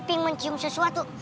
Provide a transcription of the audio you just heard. iping mencium sesuatu